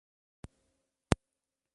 Fue otro gran año del "Cabezón".